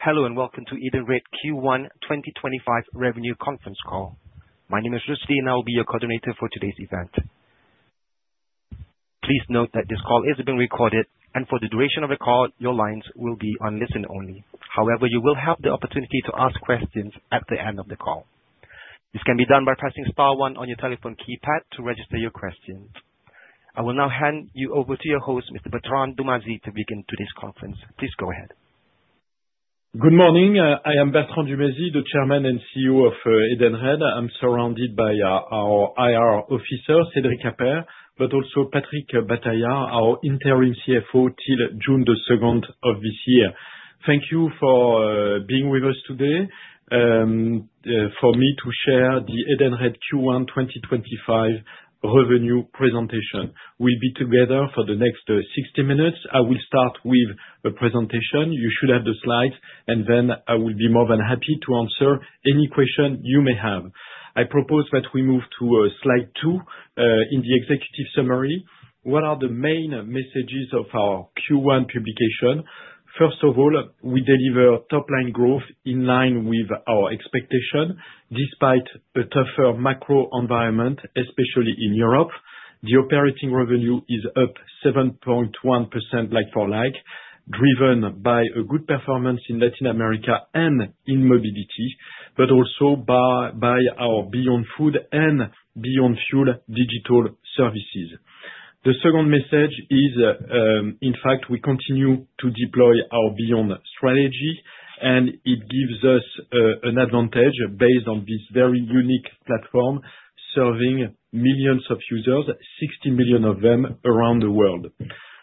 Hello and welcome to Edenred Q1 2025 Revenue Conference Call. My name is Rushdie, and I will be your coordinator for today's event. Please note that this call is being recorded, and for the duration of the call, your lines will be on listen only. However, you will have the opportunity to ask questions at the end of the call. This can be done by pressing star one on your telephone keypad to register your question. I will now hand you over to your host, Mr. Bertrand Dumazy, to begin today's conference. Please go ahead. Good morning. I am Bertrand Dumazy, the Chairman and CEO of Edenred. I'm surrounded by our IR officer, Cédric Appert, but also Patrick Bataillard, our interim CFO till June 2 of this year. Thank you for being with us today for me to share the Edenred Q1 2025 revenue presentation. We'll be together for the next 60 minutes. I will start with a presentation. You should have the slides, and then I will be more than happy to answer any question you may have. I propose that we move to slide two in the executive summary. What are the main messages of our Q1 publication? First of all, we deliver top-line growth in line with our expectation despite a tougher macro environment, especially in Europe. The operating revenue is up 7.1% like for like, driven by a good performance in Latin America and in mobility, but also by our Beyond Food and Beyond Fuel digital services. The second message is, in fact, we continue to deploy our Beyond strategy, and it gives us an advantage based on this very unique platform serving millions of users, 60 million of them around the world.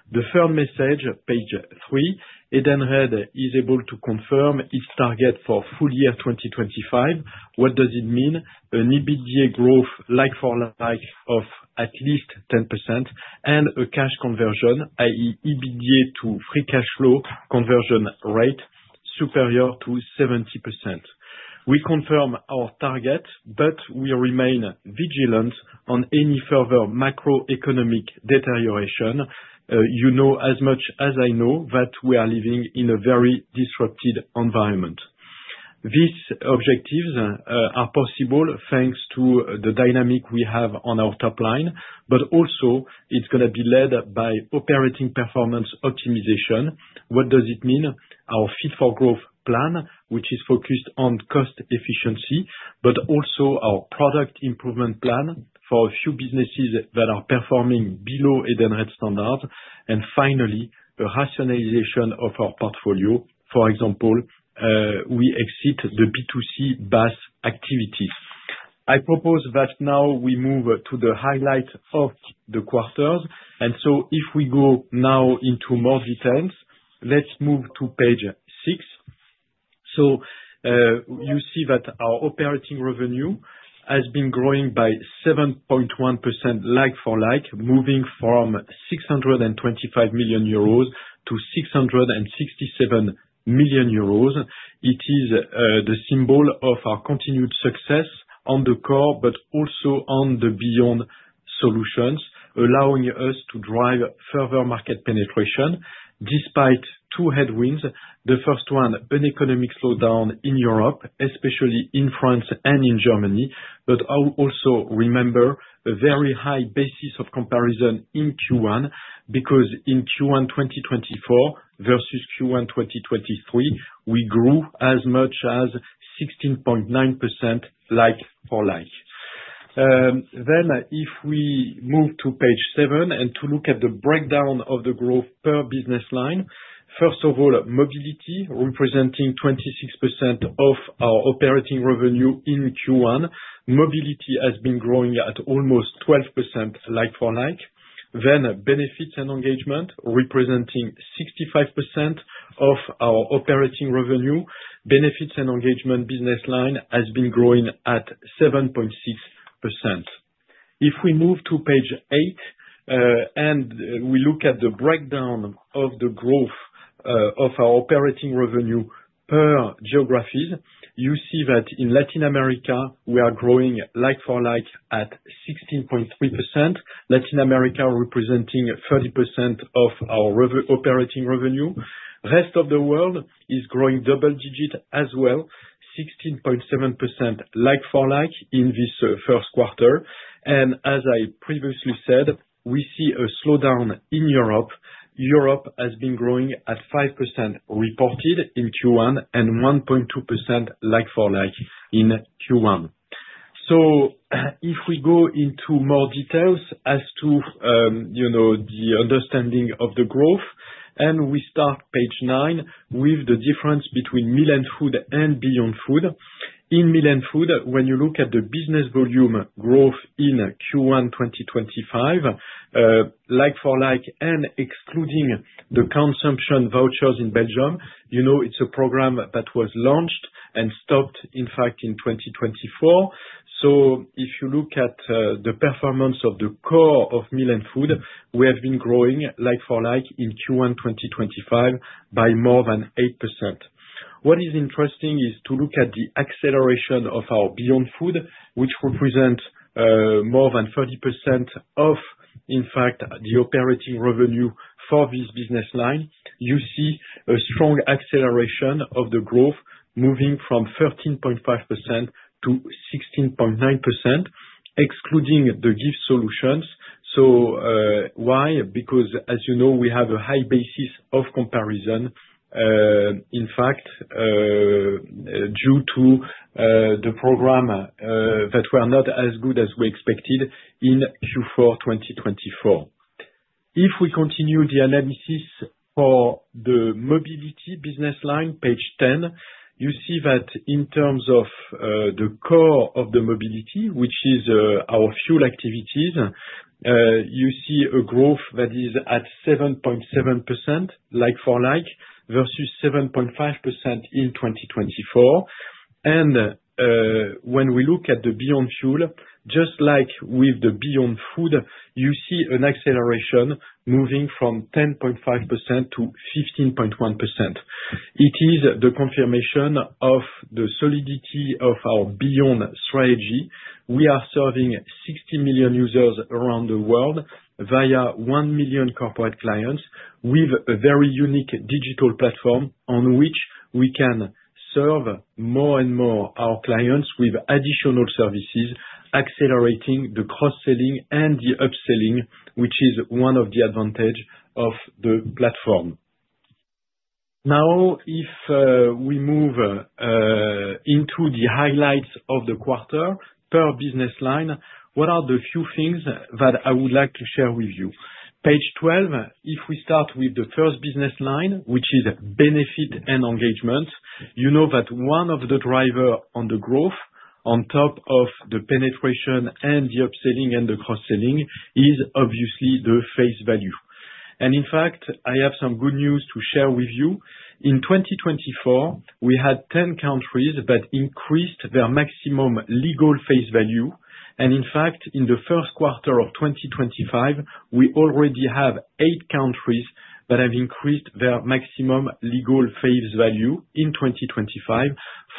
The third message, page three, Edenred is able to confirm its target for full year 2025. What does it mean? An EBITDA growth like for like of at least 10% and a cash conversion, i.e., EBITDA to free cash flow conversion rate superior to 70%. We confirm our target, but we remain vigilant on any further macroeconomic deterioration. You know as much as I know that we are living in a very disrupted environment. These objectives are possible thanks to the dynamic we have on our top line, but also it's going to be led by operating performance optimization. What does it mean? Our Fit for Growth Plan, which is focused on cost efficiency, but also our Product Improvement Plan for a few businesses that are performing below Edenred standards. Finally, a rationalization of our portfolio. For example, we exit the B2C bus activities. I propose that now we move to the highlight of the quarters. If we go now into more details, let's move to page six. You see that our operating revenue has been growing by 7.1% like for like, moving from 625 million euros to 667 million euros. It is the symbol of our continued success on the core, but also on the beyond solutions, allowing us to drive further market penetration despite two headwinds. The first one, an economic slowdown in Europe, especially in France and in Germany. I also remember a very high basis of comparison in Q1 because in Q1 2024 versus Q1 2023, we grew as much as 16.9% like for like. If we move to page seven and look at the breakdown of the growth per business line, first of all, mobility representing 26% of our operating revenue in Q1. Mobility has been growing at almost 12% like for like. Benefits and engagement representing 65% of our operating revenue. Benefits and engagement business line has been growing at 7.6%. If we move to page eight and we look at the breakdown of the growth of our operating revenue per geographies, you see that in Latin America, we are growing like for like at 16.3%. Latin America representing 30% of our operating revenue. Rest of the world is growing double digit as well, 16.7% like for like in this first quarter. As I previously said, we see a slowdown in Europe. Europe has been growing at 5% reported in Q1 and 1.2% like for like in Q1. If we go into more details as to the understanding of the growth, we start page nine with the difference between meal and food and beyond food. In meal and food, when you look at the business volume growth in Q1 2025, like for like and excluding the consumption vouchers in Belgium, it is a program that was launched and stopped, in fact, in 2024. If you look at the performance of the core of meal and food, we have been growing like for like in Q1 2025 by more than 8%. What is interesting is to look at the acceleration of our beyond food, which represents more than 30% of, in fact, the operating revenue for this business line. You see a strong acceleration of the growth moving from 13.5% to 16.9%, excluding the gift solutions. You know, we have a high basis of comparison, in fact, due to the program that were not as good as we expected in Q4 2024. If we continue the analysis for the mobility business line, page 10, you see that in terms of the core of the mobility, which is our fuel activities, you see a growth that is at 7.7% like for like versus 7.5% in 2024. When we look at the beyond fuel, just like with the beyond food, you see an acceleration moving from 10.5% to 15.1%. It is the confirmation of the solidity of our beyond strategy. We are serving 60 million users around the world via 1 million corporate clients with a very unique digital platform on which we can serve more and more our clients with additional services, accelerating the cross-selling and the upselling, which is one of the advantages of the platform. Now, if we move into the highlights of the quarter per business line, what are the few things that I would like to share with you? Page 12, if we start with the first business line, which is benefit and engagement, you know that one of the drivers on the growth on top of the penetration and the upselling and the cross-selling is obviously the face value. In fact, I have some good news to share with you. In 2024, we had 10 countries that increased their maximum legal face value. In fact, in the first quarter of 2025, we already have eight countries that have increased their maximum legal face value in 2025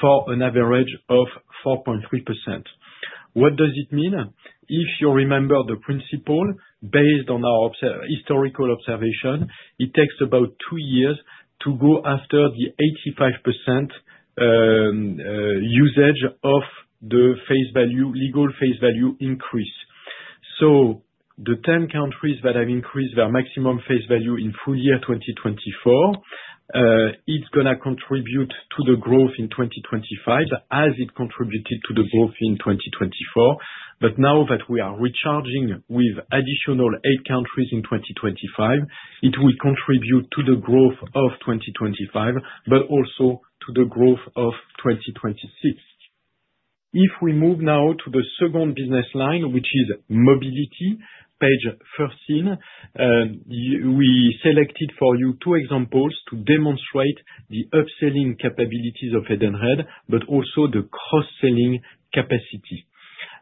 for an average of 4.3%. What does it mean? If you remember the principle based on our historical observation, it takes about two years to go after the 85% usage of the face value, legal face value increase. The 10 countries that have increased their maximum face value in full year 2024, it is going to contribute to the growth in 2025 as it contributed to the growth in 2024. Now that we are recharging with additional eight countries in 2025, it will contribute to the growth of 2025, but also to the growth of 2026. If we move now to the second business line, which is mobility, page 13, we selected for you two examples to demonstrate the upselling capabilities of Edenred, but also the cross-selling capacity.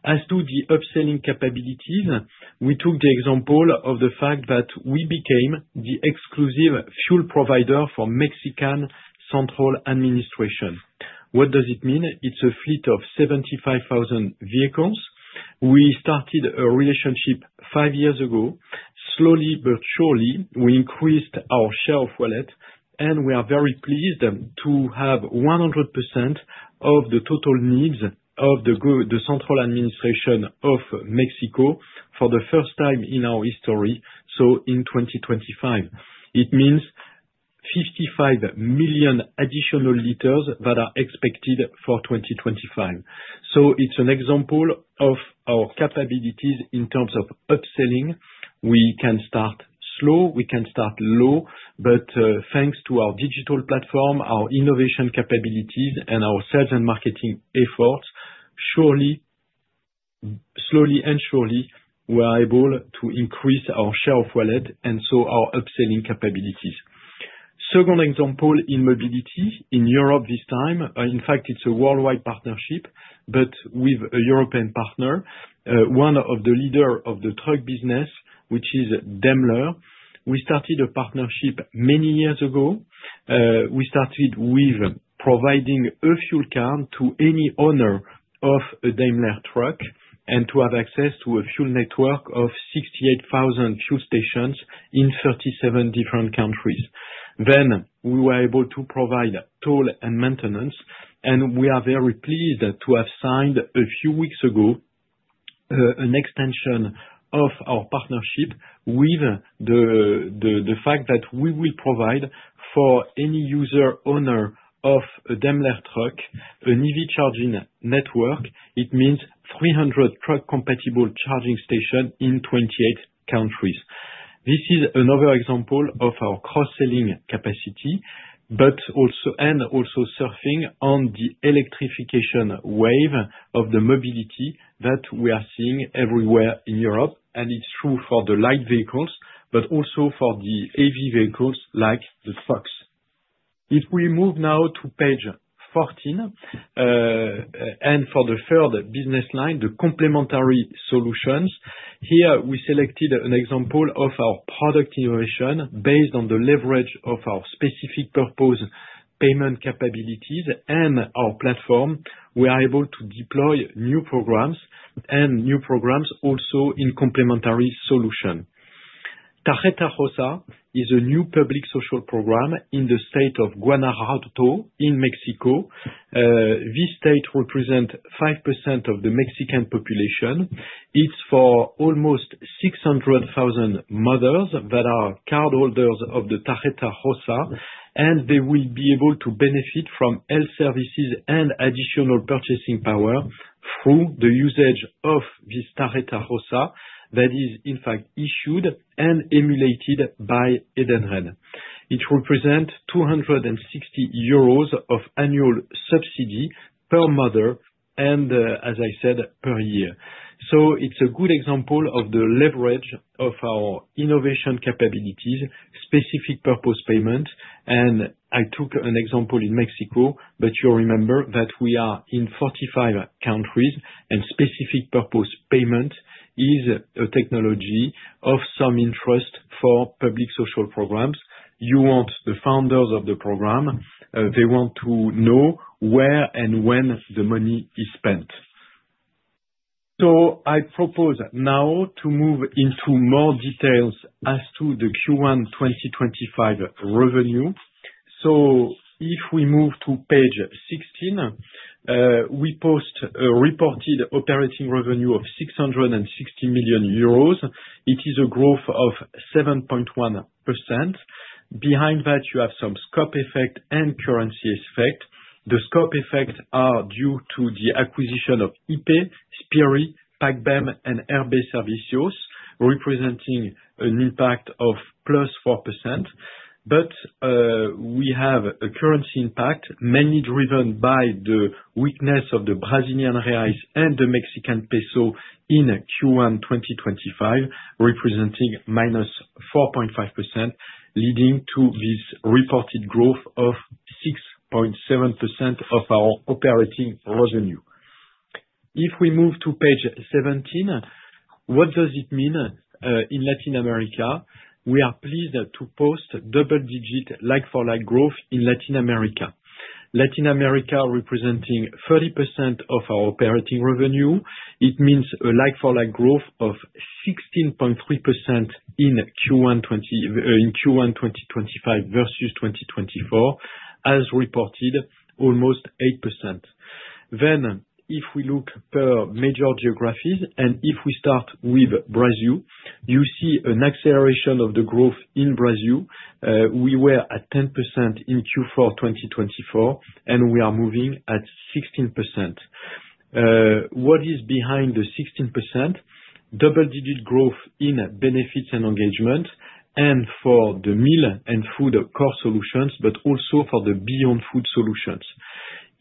As to the upselling capabilities, we took the example of the fact that we became the exclusive fuel provider for Mexican central administration. What does it mean? It is a fleet of 75,000 vehicles. We started a relationship five years ago. Slowly, but surely, we increased our share of wallet, and we are very pleased to have 100% of the total needs of the central administration of Mexico for the first time in our history. In 2025, it means 55 million additional liters that are expected for 2025. It is an example of our capabilities in terms of upselling. We can start slow. We can start low. Thanks to our digital platform, our innovation capabilities, and our sales and marketing efforts, slowly and surely, we are able to increase our share of wallet and so our upselling capabilities. Second example in mobility in Europe this time. In fact, it's a worldwide partnership, but with a European partner, one of the leaders of the truck business, which is Daimler. We started a partnership many years ago. We started with providing a fuel card to any owner of a Daimler Truck and to have access to a fuel network of 68,000 fuel stations in 37 different countries. Then we were able to provide toll and maintenance, and we are very pleased to have signed a few weeks ago an extension of our partnership with the fact that we will provide for any user owner of a Daimler Truck an EV charging network. It means 300 truck-compatible charging stations in 28 countries. This is another example of our cross-selling capacity, but also surfing on the electrification wave of the mobility that we are seeing everywhere in Europe. It is true for the light vehicles, but also for the heavy vehicles like the trucks. If we move now to page 14 and for the third business line, the complementary solutions, here we selected an example of our product innovation based on the leverage of our specific purpose payment capabilities and our platform. We are able to deploy new programs and new programs also in complementary solution. Tarjeta Rosa is a new public social program in the state of Guanajuato in Mexico. This state represents 5% of the Mexican population. It's for almost 600,000 mothers that are cardholders of the Tarjeta Rosa, and they will be able to benefit from health services and additional purchasing power through the usage of this Tarjeta Rosa that is, in fact, issued and emulated by Edenred. It represents 260 euros of annual subsidy per mother and, as I said, per year. It is a good example of the leverage of our innovation capabilities, specific purpose payment. I took an example in Mexico, but you remember that we are in 45 countries, and specific purpose payment is a technology of some interest for public social programs. You want the founders of the program. They want to know where and when the money is spent. I propose now to move into more details as to the Q1 2025 revenue. If we move to page 16, we post a reported operating revenue of 660 million euros. It is a growth of 7.1%. Behind that, you have some scope effect and currency effect. The scope effects are due to the acquisition of IPE, Spirii, PagBem, and RB Servicios, representing an impact of plus 4%. We have a currency impact mainly driven by the weakness of the Brazilian real and the Mexican peso in Q1 2025, representing minus 4.5%, leading to this reported growth of 6.7% of our operating revenue. If we move to page 17, what does it mean in Latin America? We are pleased to post double-digit like-for-like growth in Latin America. Latin America representing 30% of our operating revenue. It means a like-for-like growth of 16.3% in Q1 2025 versus 2024, as reported, almost 8%. If we look per major geographies, and if we start with Brazil, you see an acceleration of the growth in Brazil. We were at 10% in Q4 2024, and we are moving at 16%. What is behind the 16%? Double-digit growth in benefits and engagement, and for the meal and food core solutions, but also for the beyond food solutions.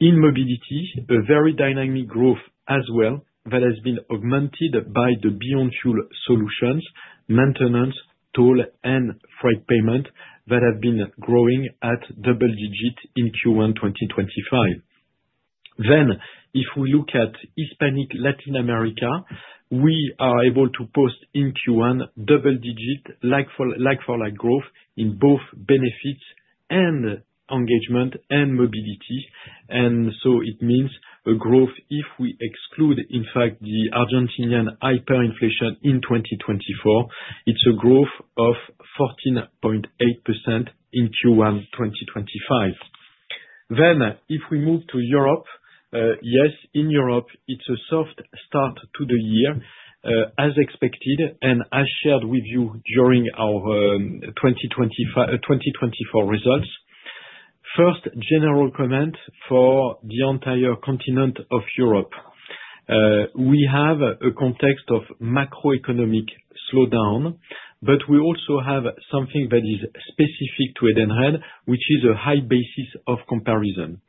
In mobility, a very dynamic growth as well that has been augmented by the beyond fuel solutions, maintenance, toll, and freight payment that have been growing at double digit in Q1 2025. If we look at Hispanic Latin America, we are able to post in Q1 double-digit like-for-like growth in both benefits and engagement and mobility. It means a growth if we exclude, in fact, the Argentinian hyperinflation in 2024. It is a growth of 14.8% in Q1 2025. If we move to Europe, yes, in Europe, it is a soft start to the year, as expected, and as shared with you during our 2024 results. First, general comment for the entire continent of Europe. We have a context of macroeconomic slowdown, but we also have something that is specific to Edenred, which is a high basis of comparison.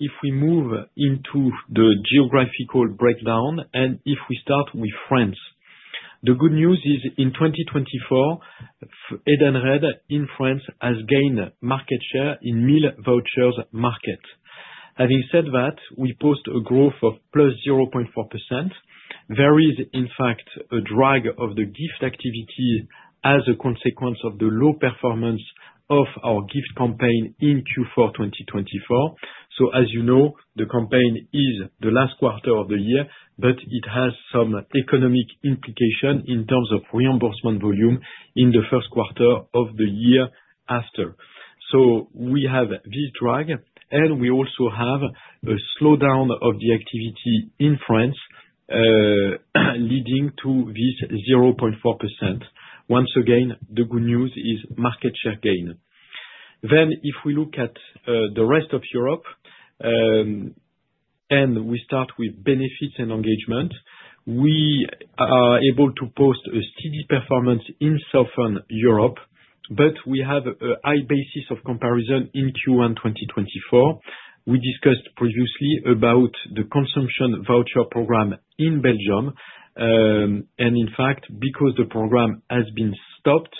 If we move into the geographical breakdown, and if we start with France, the good news is in 2024, Edenred in France has gained market share in the meal vouchers market. Having said that, we post a growth of +0.4%, which varies, in fact, a drag of the gift activity as a consequence of the low performance of our gift campaign in Q4 2024. As you know, the campaign is the last quarter of the year, but it has some economic implication in terms of reimbursement volume in the first quarter of the year after. We have this drag, and we also have a slowdown of the activity in France, leading to this 0.4%. Once again, the good news is market share gain. If we look at the rest of Europe, and we start with benefits and engagement, we are able to post a steady performance in Southern Europe, but we have a high basis of comparison in Q1 2024. We discussed previously about the consumption voucher program in Belgium. In fact, because the program has been stopped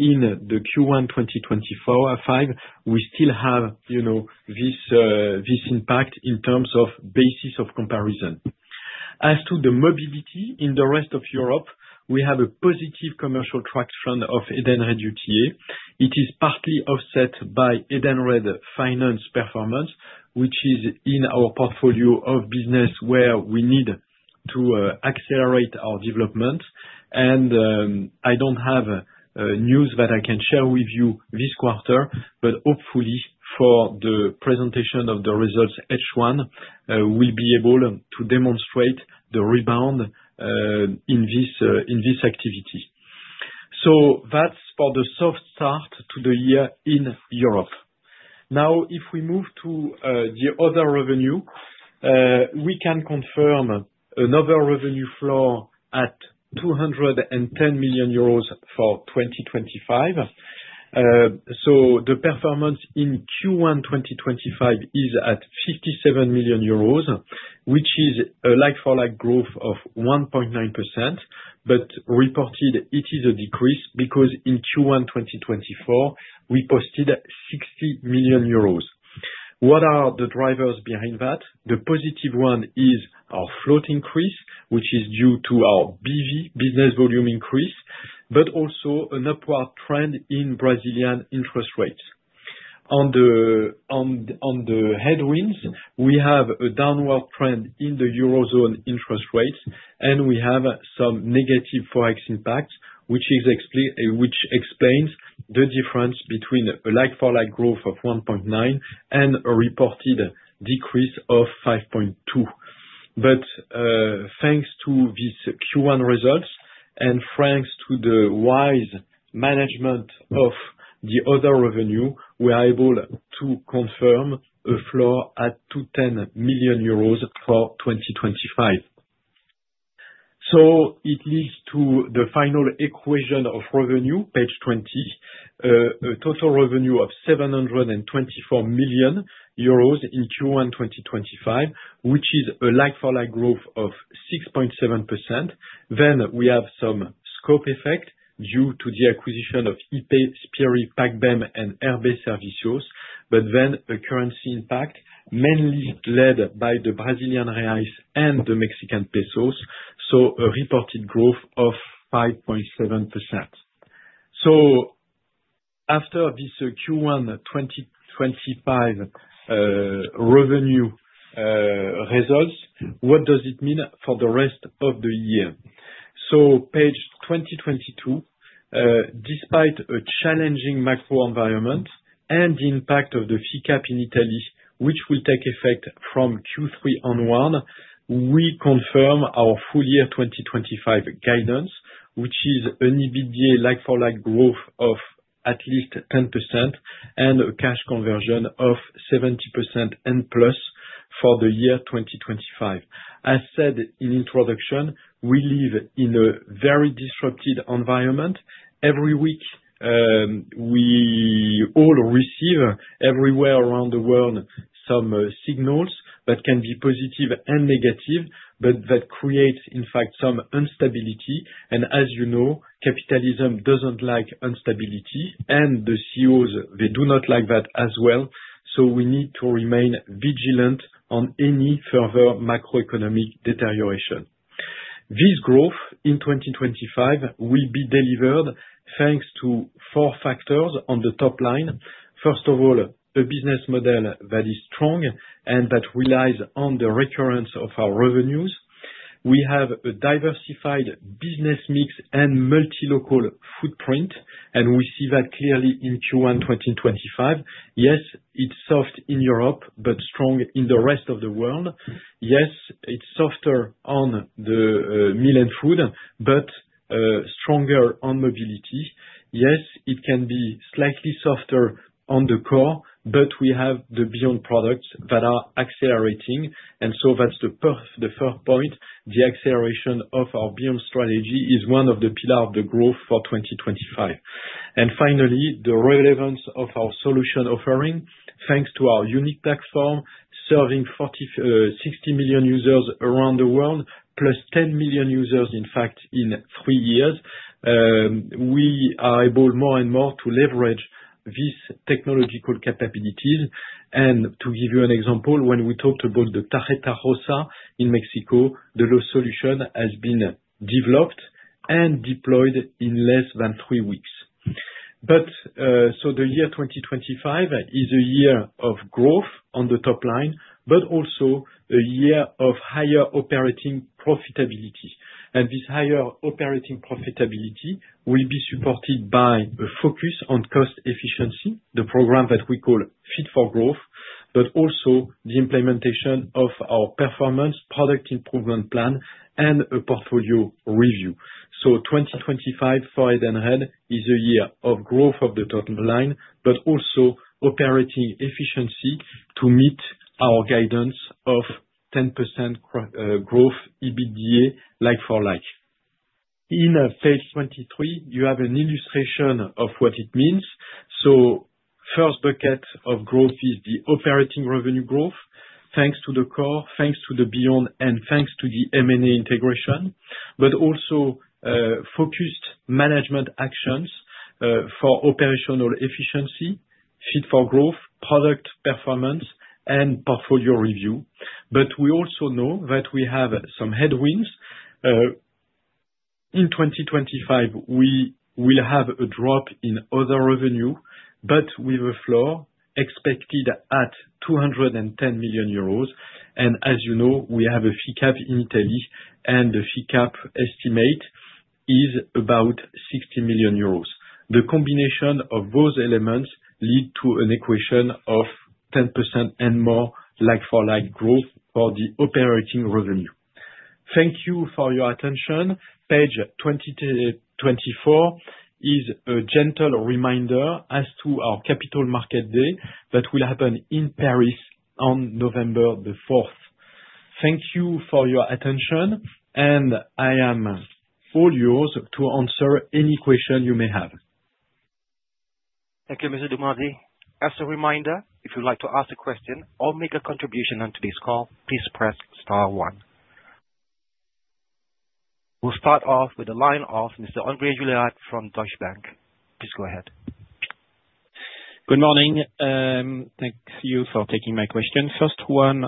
in Q1 2025, we still have this impact in terms of basis of comparison. As to the mobility in the rest of Europe, we have a positive commercial traction of Edenred UTA. It is partly offset by Edenred Finance performance, which is in our portfolio of business where we need to accelerate our development. I do not have news that I can share with you this quarter, but hopefully for the presentation of the results H1, we will be able to demonstrate the rebound in this activity. That is for the soft start to the year in Europe. Now, if we move to the other revenue, we can confirm another revenue floor at 210 million euros for 2025. The performance in Q1 2025 is at 57 million euros, which is a like-for-like growth of 1.9%, but reported it is a decrease because in Q1 2024, we posted 60 million euros. What are the drivers behind that? The positive one is our float increase, which is due to our BV business volume increase, but also an upward trend in Brazilian interest rates. On the headwinds, we have a downward trend in the Eurozone interest rates, and we have some negative Forex impact, which explains the difference between a like-for-like growth of 1.9% and a reported decrease of 5.2%. Thanks to these Q1 results and thanks to the wise management of the other revenue, we are able to confirm a floor at 210 million euros for 2025. It leads to the final equation of revenue, page 20, a total revenue of 724 million euros in Q1 2025, which is a like-for-like growth of 6.7%. We have some scope effect due to the acquisition of IPE, Spirii, PagBem, and RB Servicios, but then a currency impact mainly led by the Brazilian real and the Mexican peso. A reported growth of 5.7%. After this Q1 2025 revenue results, what does it mean for the rest of the year? Page 2022, despite a challenging macro environment and the impact of the FICAP in Italy, which will take effect from Q3 onward, we confirm our full year 2025 guidance, which is an EBITDA like-for-like growth of at least 10% and a cash conversion of 70% and plus for the year 2025. As said in introduction, we live in a very disrupted environment. Every week, we all receive everywhere around the world some signals that can be positive and negative, but that creates, in fact, some unstability. As you know, capitalism does not like unstability, and the CEOs, they do not like that as well. We need to remain vigilant on any further macroeconomic deterioration. This growth in 2025 will be delivered thanks to four factors on the top line. First of all, a business model that is strong and that relies on the recurrence of our revenues. We have a diversified business mix and multilocal footprint, and we see that clearly in Q1 2025. Yes, it's soft in Europe, but strong in the rest of the world. Yes, it's softer on the meal and food, but stronger on mobility. Yes, it can be slightly softer on the core, but we have the beyond products that are accelerating. That is the fourth point. The acceleration of our beyond strategy is one of the pillars of the growth for 2025. Finally, the relevance of our solution offering, thanks to our unique platform serving 60 million users around the world, plus 10 million users, in fact, in three years, we are able more and more to leverage these technological capabilities. To give you an example, when we talked about the Tarjeta Rosa in Mexico, the solution has been developed and deployed in less than three weeks. The year 2025 is a year of growth on the top line, but also a year of higher operating profitability. This higher operating profitability will be supported by a focus on cost efficiency, the program that we call Fit for Growth, but also the implementation of our performance product improvement plan and a portfolio review. The year 2025 for Edenred is a year of growth of the top line, but also operating efficiency to meet our guidance of 10% growth EBITDA like for like. In page 23, you have an illustration of what it means. First bucket of growth is the operating revenue growth, thanks to the core, thanks to the beyond, and thanks to the M&A integration, but also focused management actions for operational efficiency, Fit for Growth, product performance, and portfolio review. We also know that we have some headwinds. In 2025, we will have a drop in other revenue, but with a floor expected at 210 million euros. As you know, we have a FICAP in Italy, and the FICAP estimate is about 60 million euros. The combination of those elements leads to an equation of 10% and more like-for-like growth for the operating revenue. Thank you for your attention. Page 2024 is a gentle reminder as to our capital market day that will happen in Paris on November the 4th. Thank you for your attention, and I am all yours to answer any question you may have. Thank you, Mr. Dumazy. As a reminder, if you'd like to ask a question or make a contribution on today's call, please press star one. We'll start off with the line of Mr. André Julliard from Deutsche Bank. Please go ahead. Good morning. Thank you for taking my question. First one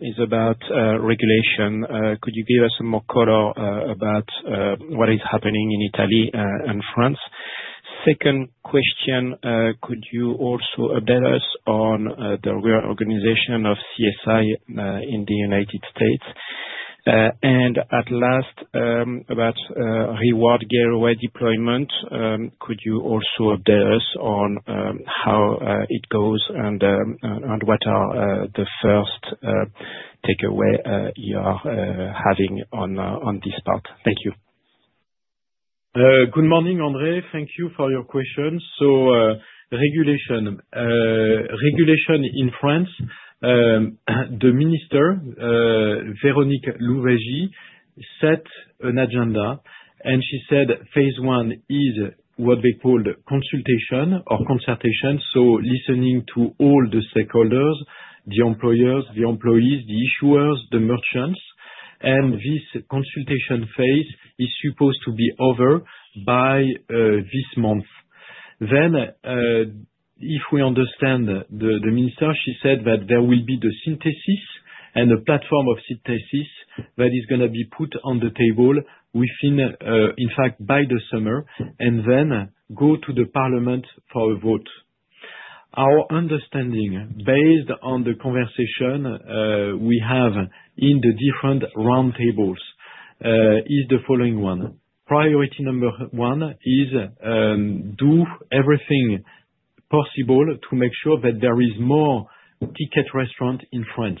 is about regulation. Could you give us some more color about what is happening in Italy and France? Second question, could you also update us on the reorganization of CSI in the United States? At last, about Reward Gateway deployment, could you also update us on how it goes and what are the first takeaways you are having on this part? Thank you. Good morning, André. Thank you for your question. Regulation. Regulation in France, the minister, Véronique Louwagie, set an agenda, and she said phase one is what they called consultation or concertation, so listening to all the stakeholders, the employers, the employees, the issuers, the merchants. This consultation phase is supposed to be over by this month. If we understand the minister, she said that there will be the synthesis and a platform of synthesis that is going to be put on the table within, in fact, by the summer, and then go to the Parliament for a vote. Our understanding, based on the conversation we have in the different round tables, is the following one. Priority number one is do everything possible to make sure that there is more ticket restaurants in France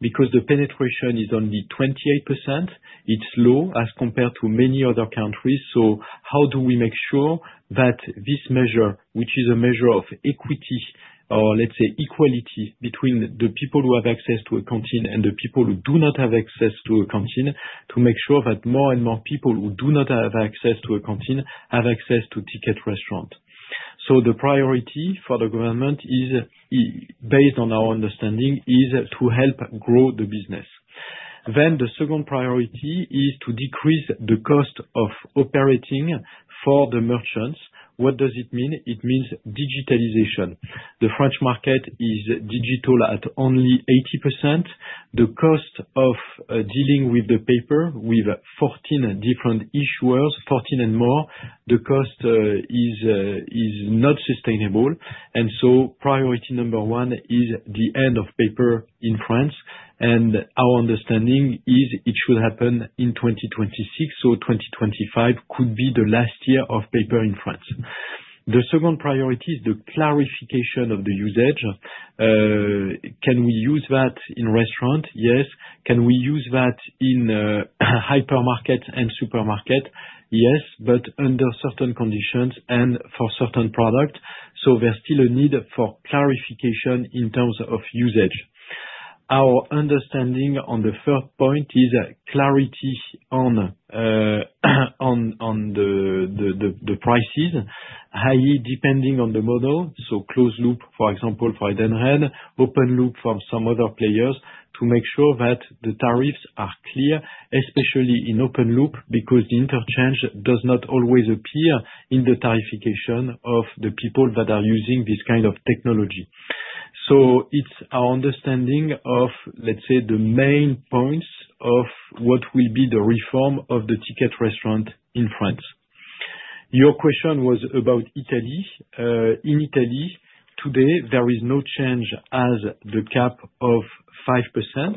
because the penetration is only 28%. It's low as compared to many other countries. How do we make sure that this measure, which is a measure of equity or, let's say, equality between the people who have access to a canteen and the people who do not have access to a canteen, to make sure that more and more people who do not have access to a canteen have access to ticket restaurants? The priority for the government, based on our understanding, is to help grow the business. The second priority is to decrease the cost of operating for the merchants. What does it mean? It means digitalization. The French market is digital at only 80%. The cost of dealing with the paper with 14 different issuers, 14 and more, the cost is not sustainable. Priority number one is the end of paper in France. Our understanding is it should happen in 2026. 2025 could be the last year of paper in France. The second priority is the clarification of the usage. Can we use that in restaurants? Yes. Can we use that in hypermarkets and supermarkets? Yes, but under certain conditions and for certain products. There is still a need for clarification in terms of usage. Our understanding on the third point is clarity on the prices, i.e., depending on the model. Closed loop, for example, for Edenred, open loop from some other players to make sure that the tariffs are clear, especially in open loop, because the interchange does not always appear in the tariffication of the people that are using this kind of technology. It is our understanding of, let's say, the main points of what will be the reform of the ticket restaurant in France. Your question was about Italy. In Italy, today, there is no change as the cap of 5%.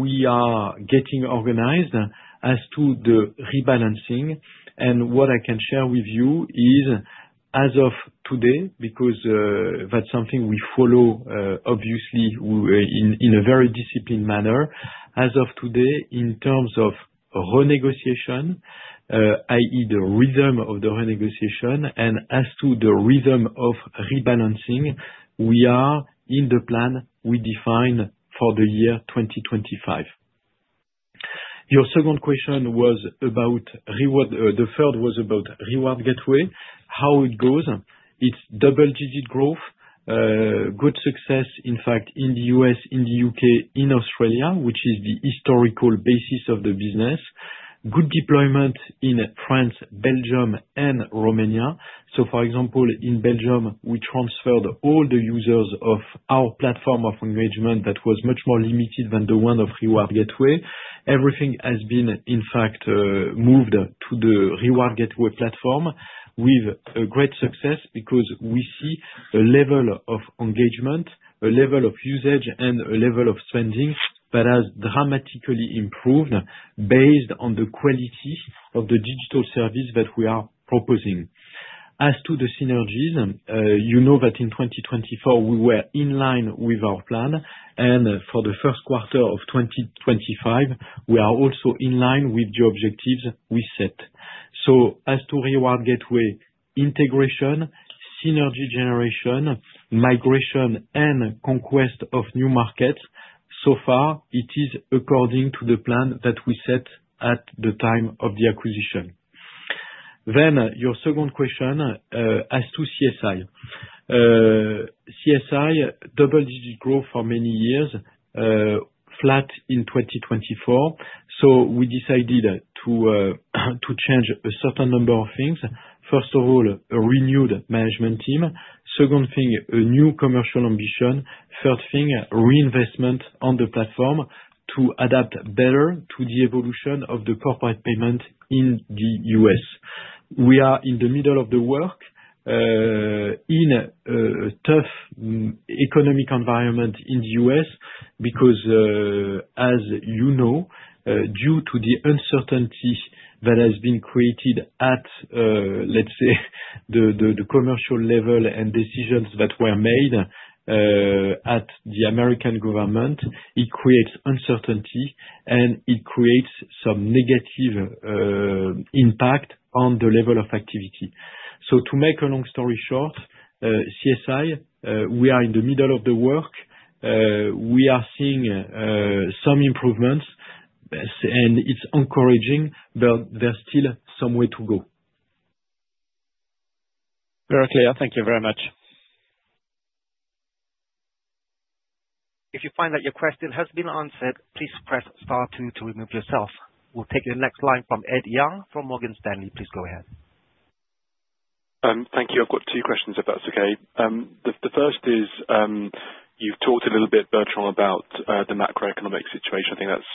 We are getting organized as to the rebalancing. What I can share with you is, as of today, because that's something we follow, obviously, in a very disciplined manner, as of today, in terms of renegotiation, i.e., the rhythm of the renegotiation, and as to the rhythm of rebalancing, we are in the plan we define for the year 2025. Your second question was about the third was about Reward Gateway, how it goes. It's double-digit growth, good success, in fact, in the U.S., in the U.K., in Australia, which is the historical basis of the business, good deployment in France, Belgium, and Romania. For example, in Belgium, we transferred all the users of our platform of engagement that was much more limited than the one of Reward Gateway. Everything has been, in fact, moved to the Reward Gateway platform with great success because we see a level of engagement, a level of usage, and a level of spending that has dramatically improved based on the quality of the digital service that we are proposing. As to the synergies, you know that in 2024, we were in line with our plan, and for the first quarter of 2025, we are also in line with the objectives we set. As to Reward Gateway integration, synergy generation, migration, and conquest of new markets, so far, it is according to the plan that we set at the time of the acquisition. Your second question as to CSI. CSI double-digit growth for many years, flat in 2024. We decided to change a certain number of things. First of all, a renewed management team. Second thing, a new commercial ambition. Third thing, reinvestment on the platform to adapt better to the evolution of the corporate payment in the U.S.. We are in the middle of the work in a tough economic environment in the U.S. because, as you know, due to the uncertainty that has been created at, let's say, the commercial level and decisions that were made at the American government, it creates uncertainty, and it creates some negative impact on the level of activity. To make a long story short, CSI, we are in the middle of the work. We are seeing some improvements, and it's encouraging, but there's still some way to go. Very clear. Thank you very much. If you find that your question has been answered, please press star two to remove yourself. We'll take the next line from Ed Yang from Morgan Stanley. Please go ahead. Thank you. I've got two questions if that's okay. The first is, you've talked a little bit, Bertrand, about the macroeconomic situation. I think that's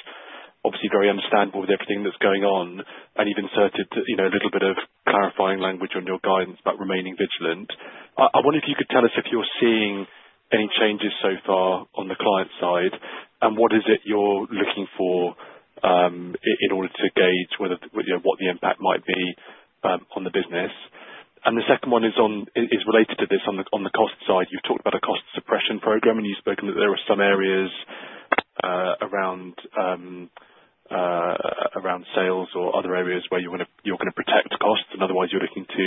obviously very understandable with everything that's going on, and you've inserted a little bit of clarifying language on your guidance about remaining vigilant. I wonder if you could tell us if you're seeing any changes so far on the client side, and what is it you're looking for in order to gauge what the impact might be on the business? The second one is related to this on the cost side. You've talked about a cost suppression program, and you've spoken that there were some areas around sales or other areas where you're going to protect costs, and otherwise, you're looking to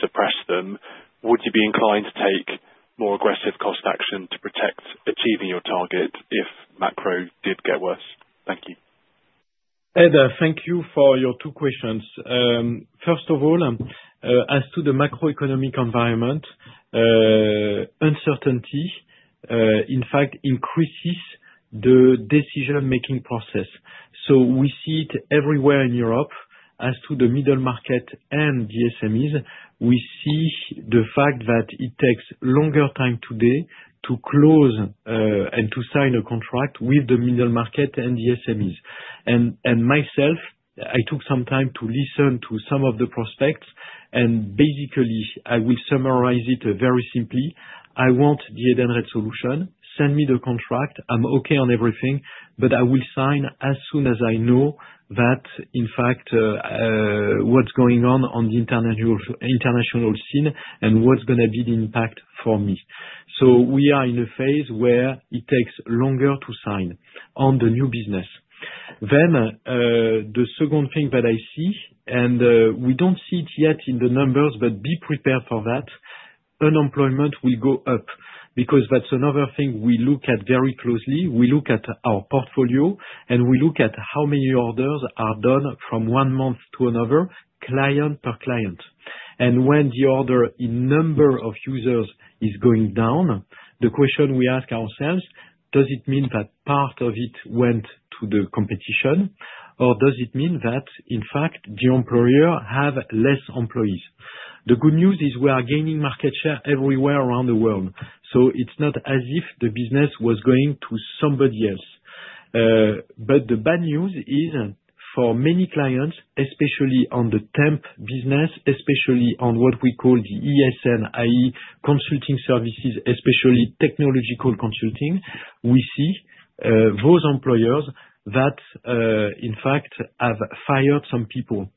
suppress them. Would you be inclined to take more aggressive cost action to protect achieving your target if macro did get worse? Thank you. Ed, thank you for your two questions. First of all, as to the macroeconomic environment, uncertainty, in fact, increases the decision-making process. You know, we see it everywhere in Europe. As to the middle market and the SMEs, we see the fact that it takes longer time today to close and to sign a contract with the middle market and the SMEs. Myself, I took some time to listen to some of the prospects, and basically, I will summarize it very simply. I want the Edenred solution. Send me the contract. I'm okay on everything, but I will sign as soon as I know that, in fact, what's going on on the international scene and what's going to be the impact for me. We are in a phase where it takes longer to sign on the new business. The second thing that I see, and we do not see it yet in the numbers, but be prepared for that. Unemployment will go up because that is another thing we look at very closely. We look at our portfolio, and we look at how many orders are done from one month to another, client per client. When the order in number of users is going down, the question we ask ourselves is, does it mean that part of it went to the competition, or does it mean that, in fact, the employer has fewer employees? The good news is we are gaining market share everywhere around the world. It is not as if the business was going to somebody else. The bad news is, for many clients, especially on the temp business, especially on what we call the ESN, i.e., consulting services, especially technological consulting, we see those employers that, in fact, have fired some people.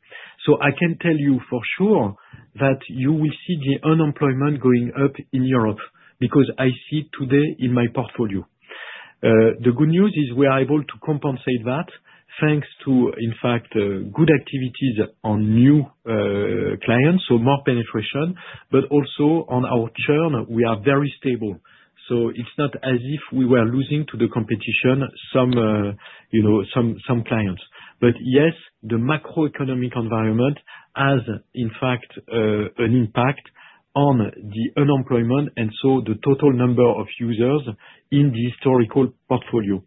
I can tell you for sure that you will see the unemployment going up in Europe because I see it today in my portfolio. The good news is we are able to compensate that thanks to, in fact, good activities on new clients, so more penetration, but also on our churn, we are very stable. It is not as if we were losing to the competition some clients. Yes, the macroeconomic environment has, in fact, an impact on the unemployment and so the total number of users in the historical portfolio.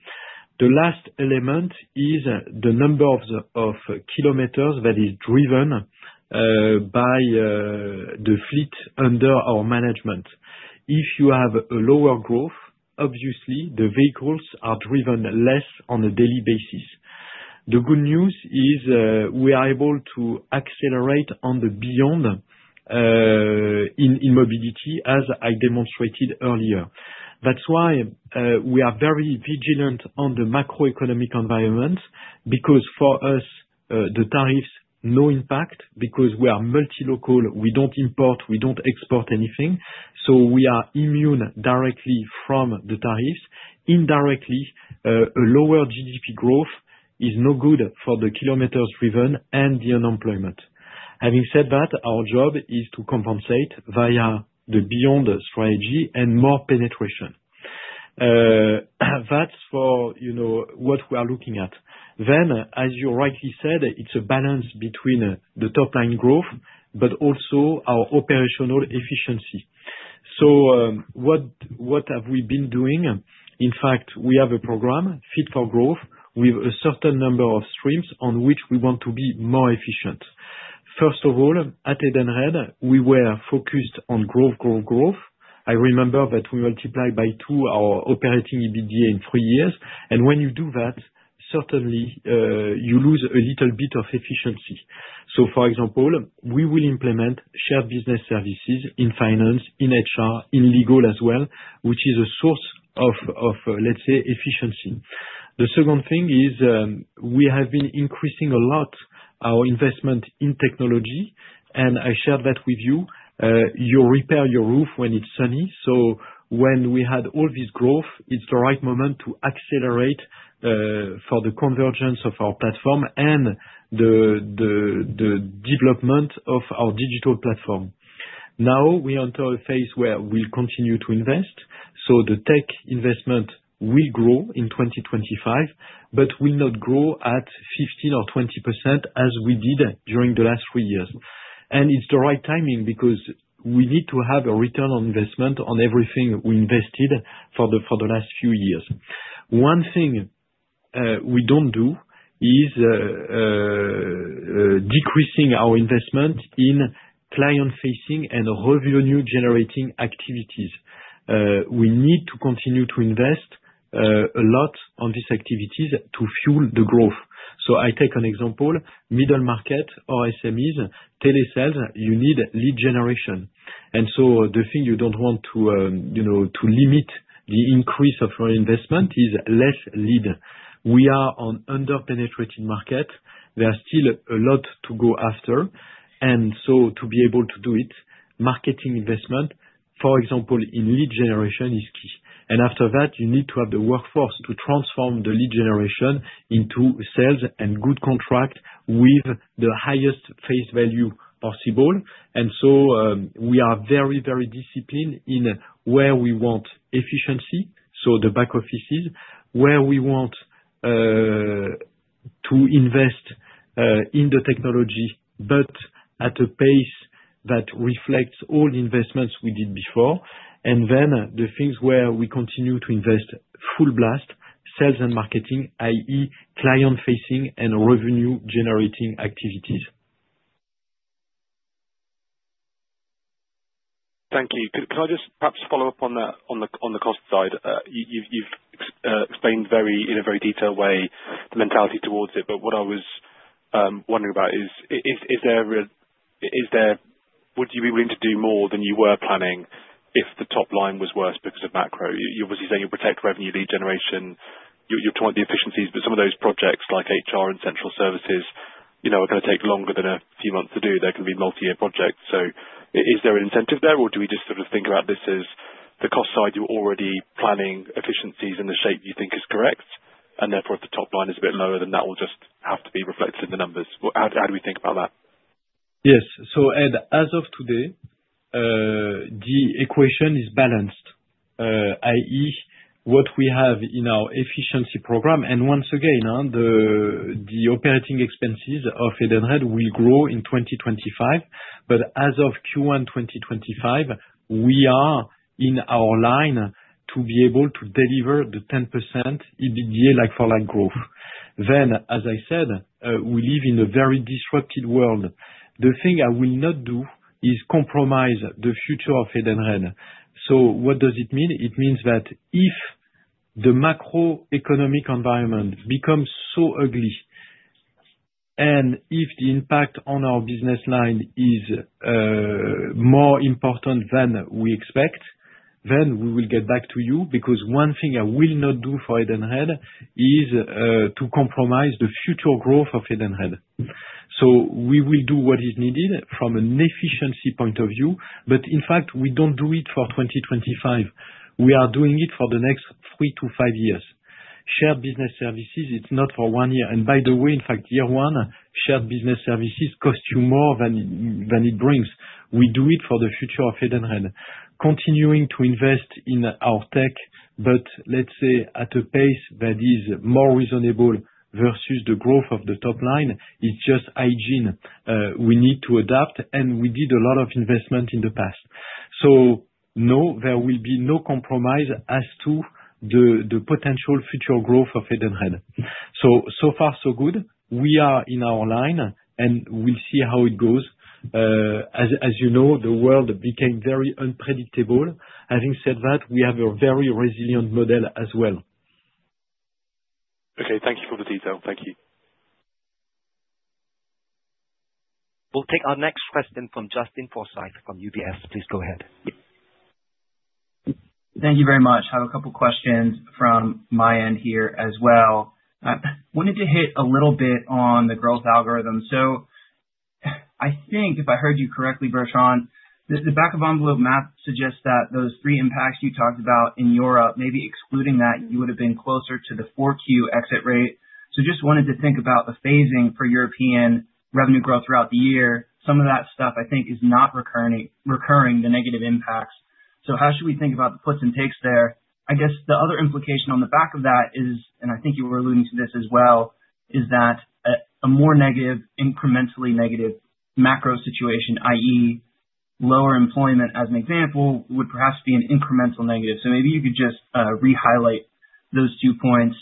The last element is the number of kilometers that is driven by the fleet under our management. If you have a lower growth, obviously, the vehicles are driven less on a daily basis. The good news is we are able to accelerate on the beyond in mobility, as I demonstrated earlier. That is why we are very vigilant on the macroeconomic environment because, for us, the tariffs have no impact because we are multi-local. We do not import. We do not export anything. So we are immune directly from the tariffs. Indirectly, a lower GDP growth is no good for the kilometers driven and the unemployment. Having said that, our job is to compensate via the beyond strategy and more penetration. That is for what we are looking at. As you rightly said, it is a balance between the top-line growth, but also our operational efficiency. What have we been doing? In fact, we have a program, Fit for Growth, with a certain number of streams on which we want to be more efficient. First of all, at Edenred, we were focused on growth, growth, growth. I remember that we multiplied by two our operating EBITDA in three years. When you do that, certainly, you lose a little bit of efficiency. For example, we will implement shared business services in finance, in HR, in legal as well, which is a source of, let's say, efficiency. The second thing is we have been increasing a lot our investment in technology. I shared that with you. You repair your roof when it's sunny. When we had all this growth, it's the right moment to accelerate for the convergence of our platform and the development of our digital platform. Now we are into a phase where we'll continue to invest. The tech investment will grow in 2025, but will not grow at 15% or 20% as we did during the last three years. It is the right timing because we need to have a return on investment on everything we invested for the last few years. One thing we do not do is decreasing our investment in client-facing and revenue-generating activities. We need to continue to invest a lot on these activities to fuel the growth. I take an example. Middle market or SMEs, telesales, you need lead generation. The thing you do not want to limit the increase of your investment is less lead. We are on an under-penetrated market. There are still a lot to go after. To be able to do it, marketing investment, for example, in lead generation is key. After that, you need to have the workforce to transform the lead generation into sales and good contract with the highest face value possible. We are very, very disciplined in where we want efficiency, so the back offices, where we want to invest in the technology, but at a pace that reflects all the investments we did before. The things where we continue to invest full blast, sales and marketing, i.e., client-facing and revenue-generating activities. Thank you. Can I just perhaps follow up on the cost side? You've explained in a very detailed way the mentality towards it, but what I was wondering about is, would you be willing to do more than you were planning if the top line was worse because of macro? Obviously, you're saying you'll protect revenue, lead generation. You're talking about the efficiencies, but some of those projects like HR and central services are going to take longer than a few months to do. They're going to be multi-year projects. Is there an incentive there, or do we just sort of think about this as the cost side? You're already planning efficiencies in the shape you think is correct, and therefore, if the top line is a bit lower, that will just have to be reflected in the numbers. How do we think about that? Yes. Ed, as of today, the equation is balanced, i.e., what we have in our efficiency program. Once again, the operating expenses of Edenred will grow in 2025. As of Q1 2025, we are in our line to be able to deliver the 10% EBITDA for like-for-like growth. As I said, we live in a very disrupted world. The thing I will not do is compromise the future of Edenred. What does it mean? It means that if the macroeconomic environment becomes so ugly, and if the impact on our business line is more important than we expect, we will get back to you because one thing I will not do for Edenred is to compromise the future growth of Edenred. We will do what is needed from an efficiency point of view, but in fact, we don't do it for 2025. We are doing it for the next three to five years. Shared business services, it's not for one year. By the way, in fact, year one, shared business services cost you more than it brings. We do it for the future of Edenred. Continuing to invest in our tech, but let's say at a pace that is more reasonable versus the growth of the top line, it's just hygiene. We need to adapt, and we did a lot of investment in the past. No, there will be no compromise as to the potential future growth of Edenred. So far so good. We are in our line, and we'll see how it goes. As you know, the world became very unpredictable. Having said that, we have a very resilient model as well. Okay. Thank you for the detail. Thank you. We'll take our next question from Justin Forsythe from UBS. Please go ahead. Thank you very much. I have a couple of questions from my end here as well. I wanted to hit a little bit on the growth algorithm. I think, if I heard you correctly, Bertrand, the back-of-envelope math suggests that those three impacts you talked about in Europe, maybe excluding that, you would have been closer to the Q4 exit rate. I just wanted to think about the phasing for European revenue growth throughout the year. Some of that stuff, I think, is not recurring, the negative impacts. How should we think about the puts and takes there? I guess the other implication on the back of that is, and I think you were alluding to this as well, is that a more negative, incrementally negative macro situation, i.e., lower employment as an example, would perhaps be an incremental negative. Maybe you could just re-highlight those two points.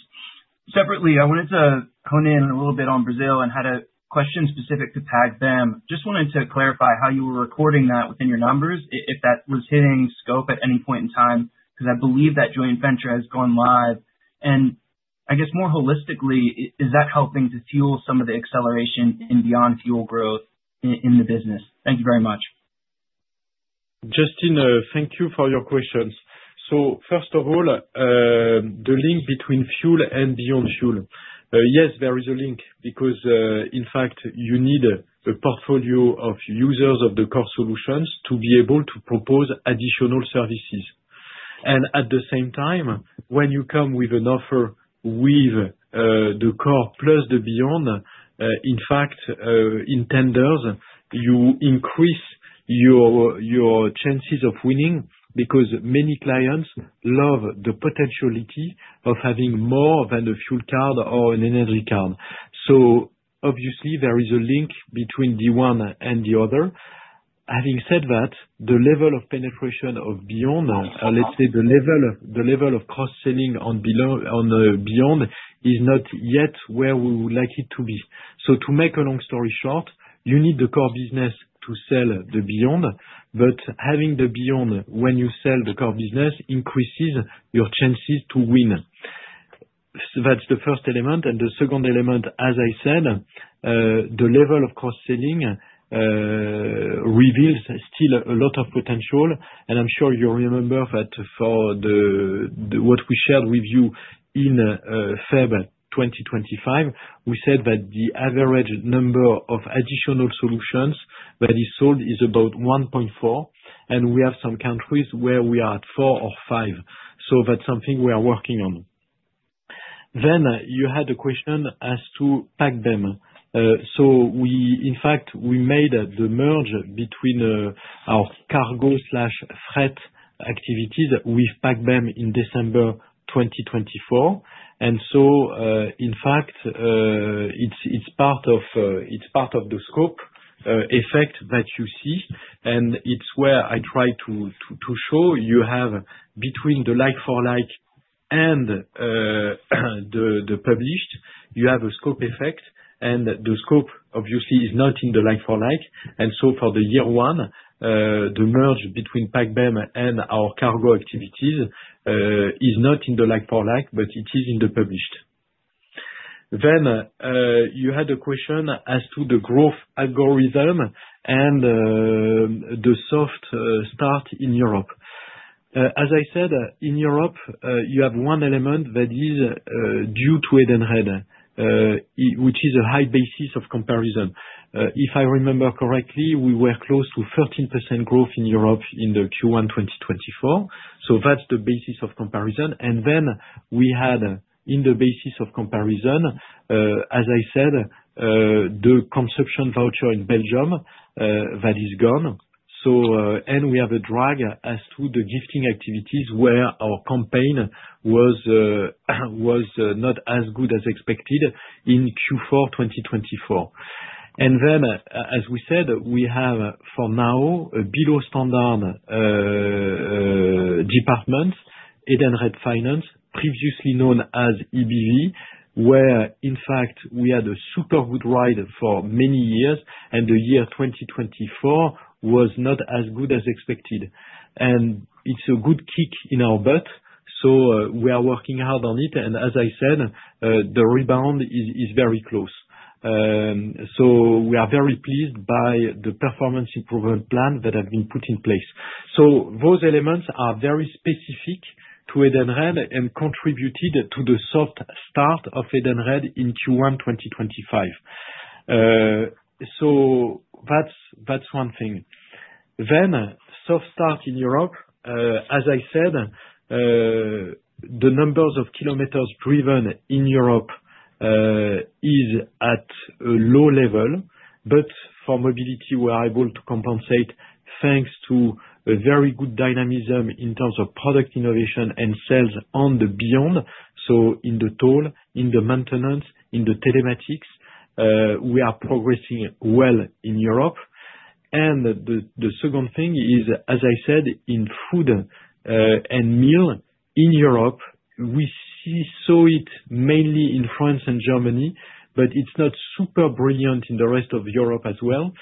Separately, I wanted to hone in a little bit on Brazil and had a question specific to PagBem. Just wanted to clarify how you were recording that within your numbers, if that was hitting scope at any point in time, because I believe that joint venture has gone live. I guess more holistically, is that helping to fuel some of the acceleration in beyond fuel growth in the business? Thank you very much. Justin, thank you for your questions. First of all, the link between fuel and beyond fuel. Yes, there is a link because, in fact, you need a portfolio of users of the core solutions to be able to propose additional services. At the same time, when you come with an offer with the core plus the beyond, in fact, in tenders, you increase your chances of winning because many clients love the potentiality of having more than a fuel card or an energy card. Obviously, there is a link between the one and the other. Having said that, the level of penetration of beyond, let's say the level of cross-selling on beyond, is not yet where we would like it to be. To make a long story short, you need the core business to sell the beyond, but having the beyond when you sell the core business increases your chances to win. That's the first element. The second element, as I said, the level of cross-selling reveals still a lot of potential. I'm sure you remember that for what we shared with you in February 2025, we said that the average number of additional solutions that is sold is about 1.4, and we have some countries where we are at 4 or 5. That's something we are working on. You had a question as to PagBem. In fact, we made the merge between our cargo/fret activities with PagBem in December 2024. In fact, it is part of the scope effect that you see, and it is where I try to show you have between the like-for-like and the published, you have a scope effect, and the scope, obviously, is not in the like-for-like. For the year one, the merge between PagBem and our cargo activities is not in the like-for-like, but it is in the published. You had a question as to the growth algorithm and the soft start in Europe. As I said, in Europe, you have one element that is due to Edenred, which is a high basis of comparison. If I remember correctly, we were close to 13% growth in Europe in Q1 2024. That is the basis of comparison. We had, in the basis of comparison, as I said, the consumption voucher in Belgium that is gone. We have a drag as to the gifting activities where our campaign was not as good as expected in Q4 2024. As we said, we have, for now, a below-standard department, Edenred Finance, previously known as EBV, where, in fact, we had a super good ride for many years, and the year 2024 was not as good as expected. It's a good kick in our butt. We are working hard on it. As I said, the rebound is very close. We are very pleased by the performance improvement plan that has been put in place. Those elements are very specific to Edenred and contributed to the soft start of Edenred in Q1 2025. That is one thing. Soft start in Europe. As I said, the numbers of kilometers driven in Europe is at a low level, but for mobility, we are able to compensate thanks to a very good dynamism in terms of product innovation and sales on the beyond. In the toll, in the maintenance, in the telematics, we are progressing well in Europe. The second thing is, as I said, in food and meal in Europe, we saw it mainly in France and Germany, but it's not super brilliant in the rest of Europe as well.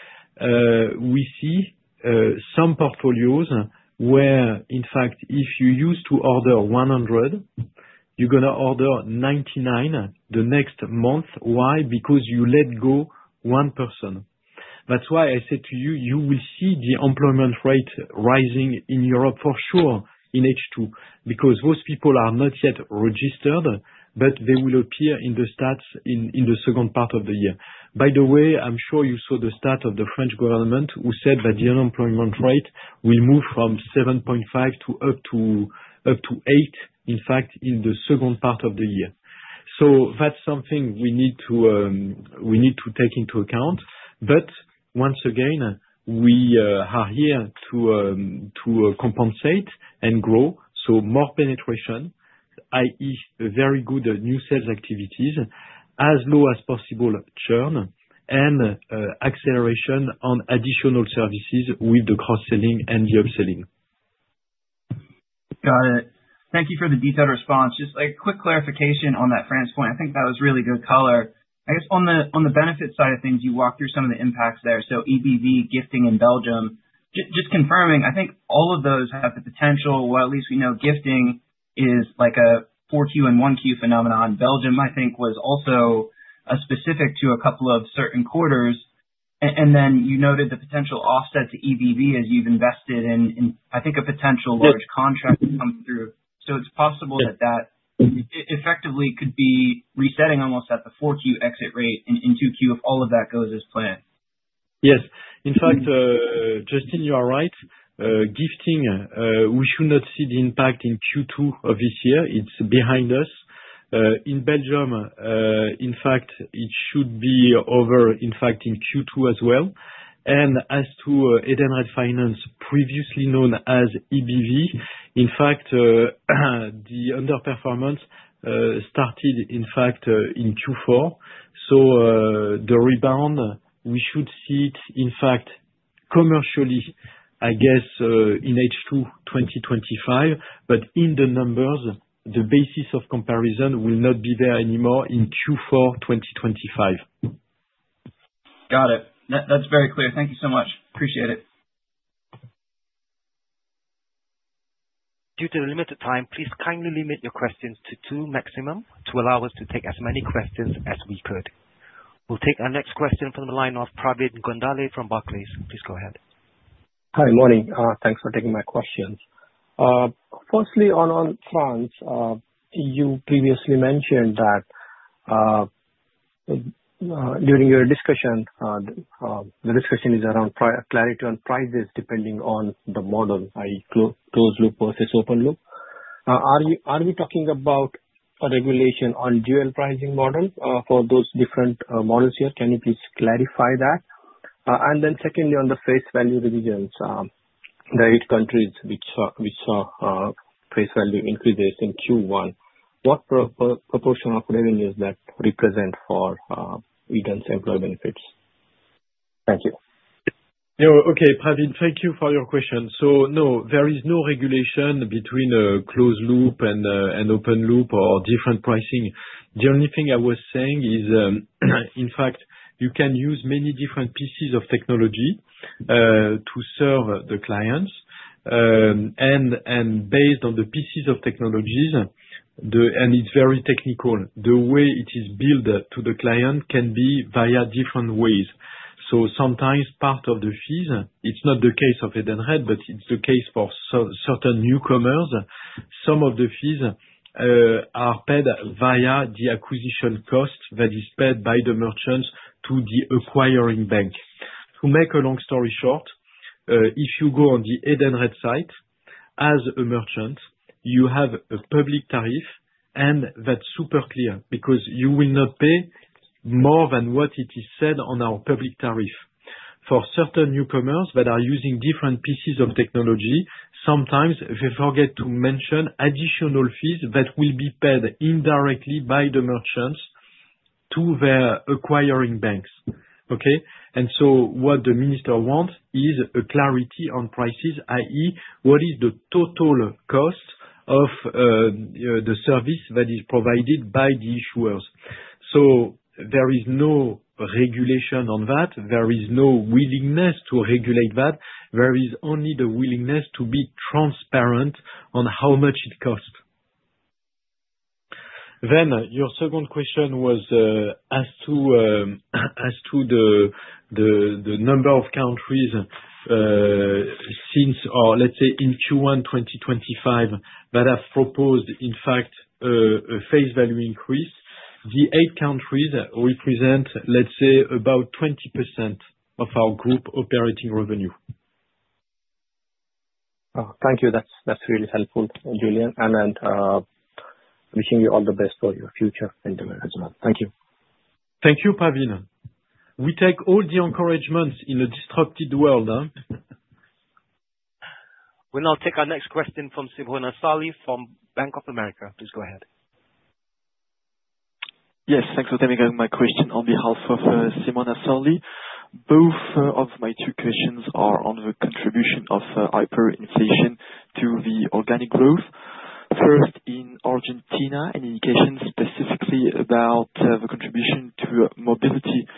We see some portfolios where, in fact, if you used to order 100, you're going to order 99 the next month. Why? Because you let go one person. That's why I said to you, you will see the employment rate rising in Europe for sure in H2 because those people are not yet registered, but they will appear in the stats in the second part of the year. By the way, I'm sure you saw the stat of the French government who said that the unemployment rate will move from 7.5% to up to 8%, in fact, in the second part of the year. That's something we need to take into account. Once again, we are here to compensate and grow. More penetration, i.e., very good new sales activities, as low as possible churn, and acceleration on additional services with the cross-selling and the upselling. Got it. Thank you for the detailed response. Just a quick clarification on that France point. I think that was really good color. I guess on the benefit side of things, you walked through some of the impacts there. So Edenred Finance, gifting in Belgium. Just confirming, I think all of those have the potential, well, at least we know gifting is like a Q4 and Q1 phenomenon. Belgium, I think, was also specific to a couple of certain quarters. Then you noted the potential offset to Edenred Finance as you've invested in, I think, a potential large contract to come through. It is possible that that effectively could be resetting almost at the Q4 exit rate in Q2 if all of that goes as planned. Yes. In fact, Justin, you are right. Gifting, we should not see the impact in Q2 of this year. It's behind us. In Belgium, in fact, it should be over, in fact, in Q2 as well. As to Edenred Finance, previously known as EBV, in fact, the underperformance started, in fact, in Q4. The rebound, we should see it, in fact, commercially, I guess, in H2 2025. In the numbers, the basis of comparison will not be there anymore in Q4 2025. Got it. That's very clear. Thank you so much. Appreciate it. Due to the limited time, please kindly limit your questions to two maximum to allow us to take as many questions as we could. We'll take our next question from the line of Pravin Gondhale from Barclays. Please go ahead. Hi, morning. Thanks for taking my question. Firstly, on France, you previously mentioned that during your discussion, the discussion is around clarity on prices depending on the model, i.e., closed loop versus open loop. Are we talking about a regulation on dual pricing model for those different models here? Can you please clarify that? Then secondly, on the face value revisions, the eight countries which saw face value increases in Q1, what proportion of revenues does that represent for Edenred's employee benefits? Thank you. Okay. Pravin, thank you for your question. No, there is no regulation between closed loop and open loop or different pricing. The only thing I was saying is, in fact, you can use many different pieces of technology to serve the clients. Based on the pieces of technologies, and it is very technical, the way it is billed to the client can be via different ways. Sometimes part of the fees, it is not the case of Edenred, but it is the case for certain newcomers, some of the fees are paid via the acquisition cost that is paid by the merchants to the acquiring bank. To make a long story short, if you go on the Edenred site, as a merchant, you have a public tariff, and that's super clear because you will not pay more than what it is said on our public tariff. For certain newcomers that are using different pieces of technology, sometimes they forget to mention additional fees that will be paid indirectly by the merchants to their acquiring banks. Okay? What the minister wants is a clarity on prices, i.e., what is the total cost of the service that is provided by the issuers. There is no regulation on that. There is no willingness to regulate that. There is only the willingness to be transparent on how much it costs. Your second question was as to the number of countries since, or let's say, in Q1 2025 that have proposed, in fact, a face value increase. The eight countries represent, let's say, about 20% of our group operating revenue. Thank you. That's really helpful, Julien. And I'm wishing you all the best for your future in the management. Thank you. Thank you, Pravin. We take all the encouragement in a disrupted world. We'll now take our next question from Simona Salri from Bank of America. Please go ahead. Yes. Thanks for taking my question on behalf of Simona Salri. Both of my two questions are on the contribution of hyperinflation to the organic growth. First, in Argentina, an indication specifically about the contribution to mobility growth,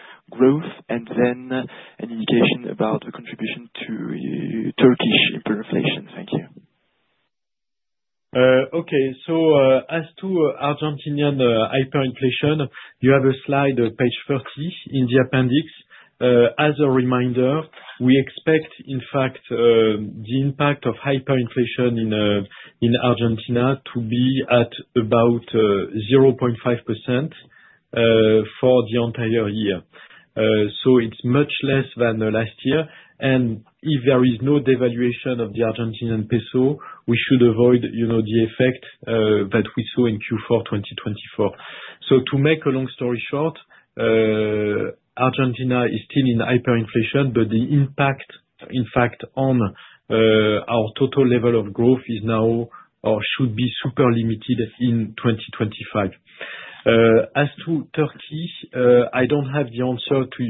and then an indication about the contribution to Turkish inflation. Thank you. Okay. As to Argentinian hyperinflation, you have a slide, page 30, in the appendix. As a reminder, we expect, in fact, the impact of hyperinflation in Argentina to be at about 0.5% for the entire year. It is much less than last year. If there is no devaluation of the Argentinian peso, we should avoid the effect that we saw in Q4 2024. To make a long story short, Argentina is still in hyperinflation, but the impact, in fact, on our total level of growth is now or should be super limited in 2025. As to Turkey, I do not have the answer to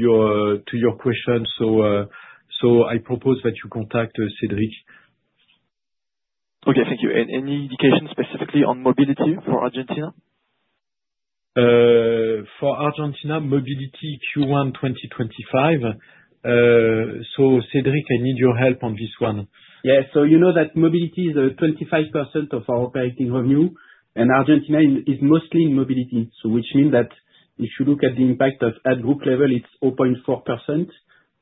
your question, so I propose that you contact Cédric. Okay. Thank you. Any indication specifically on mobility for Argentina? For Argentina, mobility Q1 2025. Cédric, I need your help on this one. Yeah. You know that mobility is 25% of our operating revenue, and Argentina is mostly in mobility, which means that if you look at the impact at group level, it is 0.4%.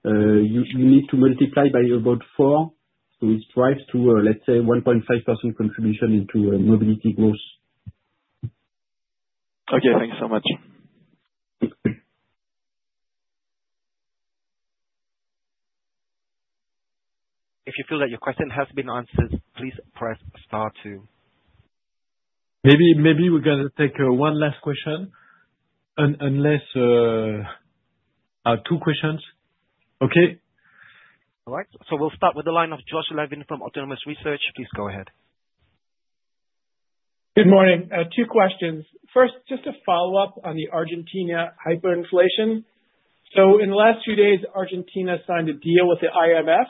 You need to multiply by about four, so it drives to, let's say, 1.5% contribution into mobility growth. Okay. Thanks so much. If you feel that your question has been answered, please press star two. Maybe we're going to take one last question unless two questions. Okay? All right. So we'll start with the line of Josh Levin from Autonomous Research. Please go ahead. Good morning. Two questions. First, just a follow-up on the Argentina hyperinflation. In the last few days, Argentina signed a deal with the IMF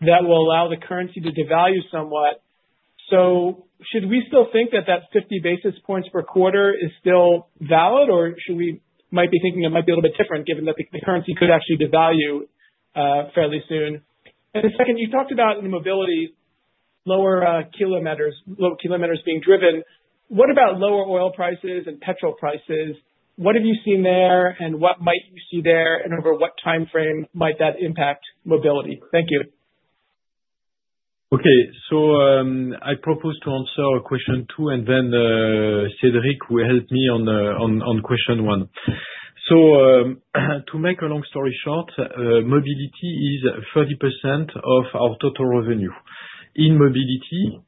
that will allow the currency to devalue somewhat. Should we still think that that 50 basis points per quarter is still valid, or should we might be thinking it might be a little bit different given that the currency could actually devalue fairly soon? Second, you talked about in mobility, lower kilometers being driven. What about lower oil prices and petrol prices? What have you seen there, and what might you see there, and over what timeframe might that impact mobility? Thank you. Okay. I propose to answer question two and then Cédric will help me on question one. To make a long story short, mobility is 30% of our total revenue. In mobility,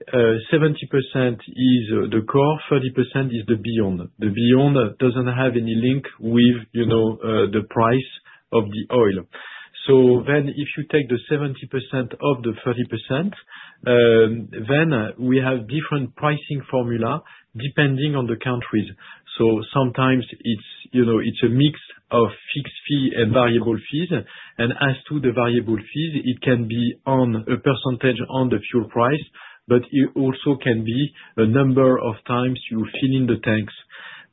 70% is the core, 30% is the beyond. The beyond does not have any link with the price of the oil. If you take the 70% of the 30%, we have different pricing formula depending on the countries. Sometimes it is a mix of fixed fee and variable fees. As to the variable fees, it can be on a percentage on the fuel price, but it also can be the number of times you fill in the tanks.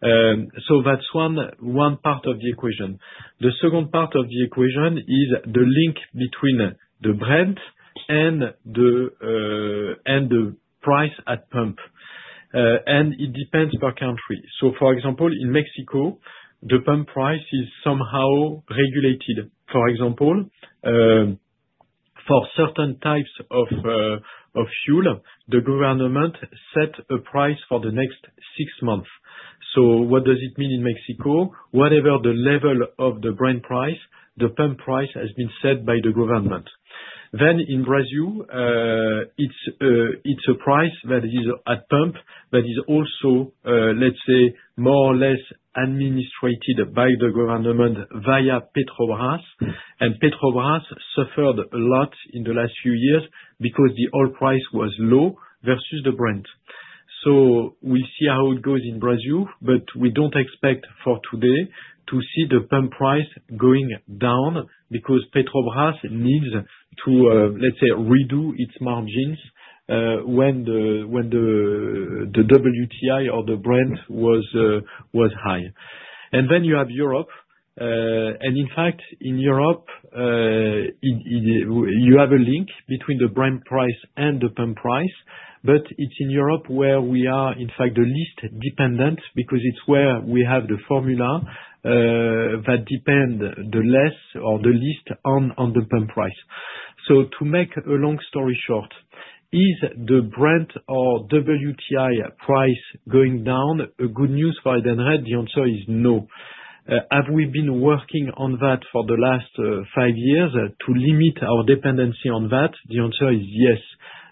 That is one part of the equation. The second part of the equation is the link between the brand and the price at pump. It depends per country. For example, in Mexico, the pump price is somehow regulated. For certain types of fuel, the government sets a price for the next six months. What does it mean in Mexico? Whatever the level of the brand price, the pump price has been set by the government. In Brazil, it is a price that is at pump that is also, let's say, more or less administrated by the government via Petrobras. Petrobras suffered a lot in the last few years because the oil price was low versus the brand. We'll see how it goes in Brazil, but we don't expect for today to see the pump price going down because Petrobras needs to, let's say, redo its margins when the WTI or the Brent was high. You have Europe. In fact, in Europe, you have a link between the Brent price and the pump price, but it's in Europe where we are, in fact, the least dependent because it's where we have the formula that depends the least on the pump price. To make a long story short, is the Brent or WTI price going down good news for Edenred? The answer is no. Have we been working on that for the last five years to limit our dependency on that? The answer is yes,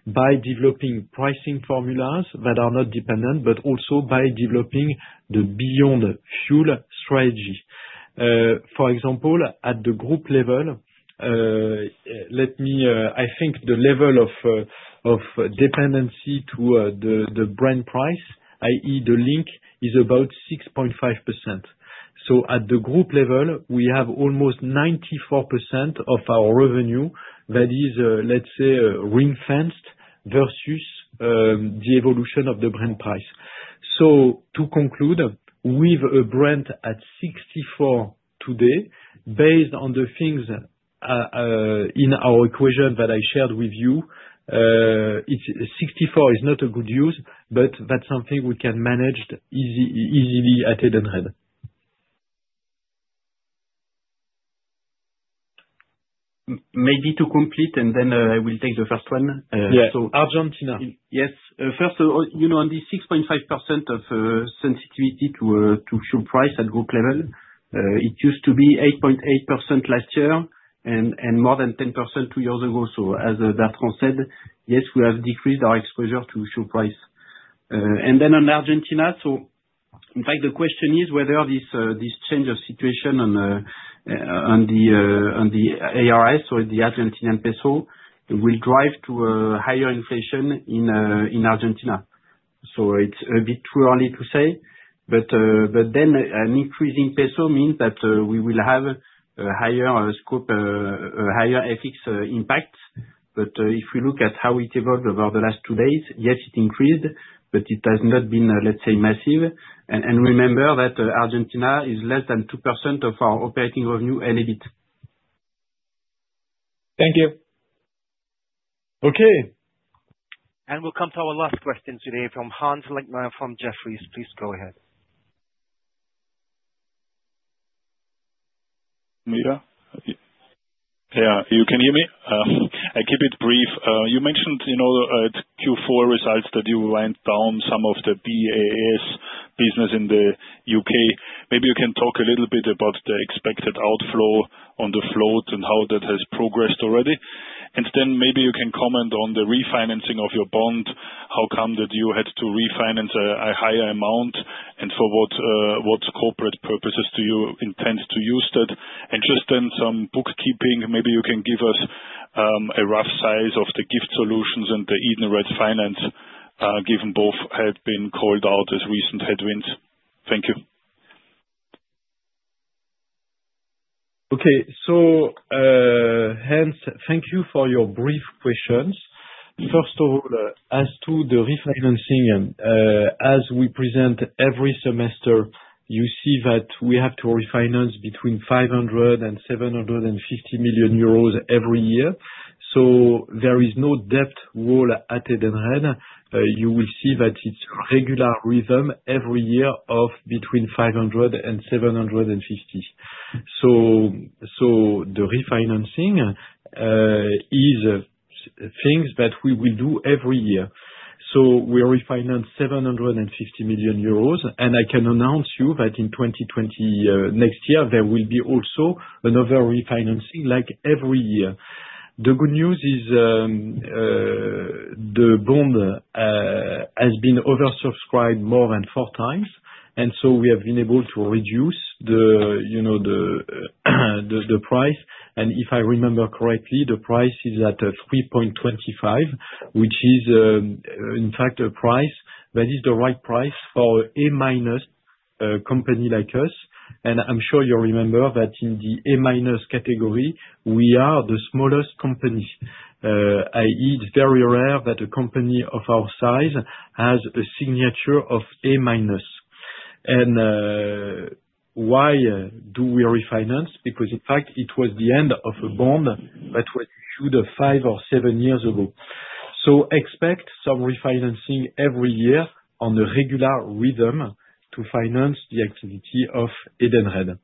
by developing pricing formulas that are not dependent, but also by developing the Beyond Fuel strategy. For example, at the group level, let me, I think the level of dependency to the brand price, i.e., the link is about 6.5%. At the group level, we have almost 94% of our revenue that is, let's say, ring-fenced versus the evolution of the brand price. To conclude, with a brand at 64 today, based on the things in our equation that I shared with you, 64 is not a good use, but that's something we can manage easily at Edenred. Maybe to complete, and then I will take the first one. Yes, Argentina. Yes. First, on the 6.5% of sensitivity to fuel price at group level, it used to be 8.8% last year and more than 10% two years ago. As Bertrand said, yes, we have decreased our exposure to fuel price. On Argentina, the question is whether this change of situation on the ARS or the Argentinian peso will drive to a higher inflation in Argentina. It is a bit too early to say, but an increasing peso means that we will have a higher scope, a higher FX impact. If we look at how it evolved over the last two days, yes, it increased, but it has not been, let's say, massive. Remember that Argentina is less than 2% of our operating revenue and a bit. Thank you. Okay. We will come to our last question today from Hannes Leitner from Jefferies. Please go ahead. Yeah. Yeah. You can hear me? I keep it brief. You mentioned at Q4 results that you went down some of the BAS business in the U.K. Maybe you can talk a little bit about the expected outflow on the float and how that has progressed already. Maybe you can comment on the refinancing of your bond, how come that you had to refinance a higher amount, and for what corporate purposes do you intend to use that? Just then some bookkeeping, maybe you can give us a rough size of the gift solutions and the Edenred Finance, given both had been called out as recent headwinds. Thank you. Okay. Hannes, thank you for your brief questions. First of all, as to the refinancing, as we present every semester, you see that we have to refinance between 500 million-750 million euros every year. There is no debt wall at Edenred. You will see that it's regular rhythm every year of between 500 million and 750 million. The refinancing is things that we will do every year. We refinance 750 million euros, and I can announce you that in 2020 next year, there will be also another refinancing like every year. The good news is the bond has been oversubscribed more than four times, and we have been able to reduce the price. If I remember correctly, the price is at 3.25%, which is, in fact, a price that is the right price for an A minus company like us. I'm sure you remember that in the A minus category, we are the smallest companies. It is very rare that a company of our size has a signature of A minus. Why do we refinance? Because, in fact, it was the end of a bond that was issued five or seven years ago. Expect some refinancing every year on a regular rhythm to finance the activity of Edenred.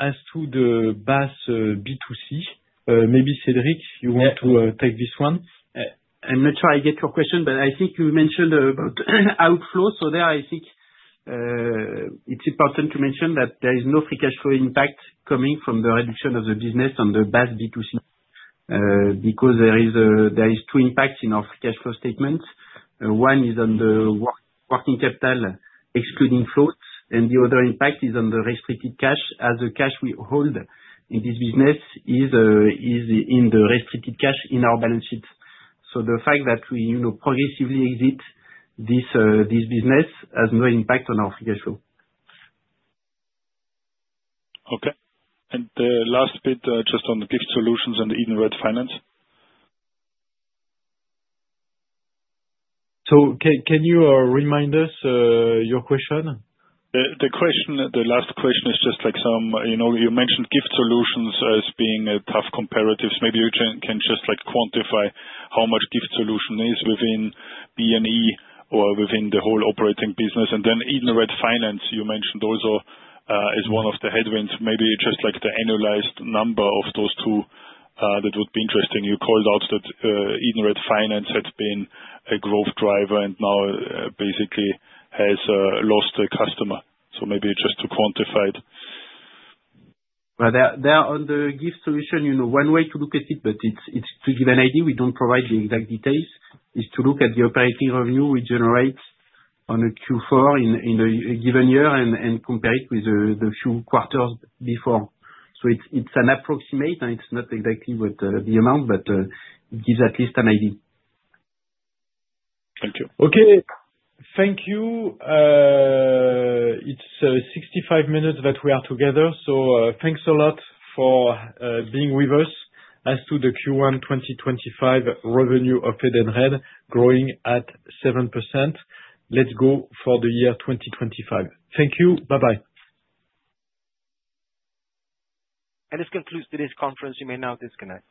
As to the bus B2C, maybe Cédric, you want to take this one? I'm not sure I get your question, but I think you mentioned about outflow. I think it's important to mention that there is no free cash flow impact coming from the reduction of the business on the bus B2C because there are two impacts in our free cash flow statements. One is on the working capital excluding floats, and the other impact is on the restricted cash as the cash we hold in this business is in the restricted cash in our balance sheet. The fact that we progressively exit this business has no impact on our free cash flow. Okay. The last bit, just on the gift solutions and the Edenred Finance. Can you remind us your question? The last question is just like you mentioned gift solutions as being tough comparatives. Maybe you can just quantify how much gift solution is within BNE or within the whole operating business. Then Edenred Finance, you mentioned also as one of the headwinds, maybe just like the annualized number of those two, that would be interesting. You called out that Edenred Finance had been a growth driver and now basically has lost a customer. Maybe just to quantify it. On the gift solution, one way to look at it, but to give an idea, we do not provide the exact details, is to look at the operating revenue we generate on a Q4 in a given year and compare it with the few quarters before. It is an approximate, and it is not exactly what the amount is, but it gives at least an idea. Thank you. Thank you. It is 65 minutes that we are together. Thanks a lot for being with us as to the Q1 2025 revenue of Edenred growing at 7%. Let's go for the year 2025. Thank you. Bye-bye. This concludes today's conference. You may now disconnect.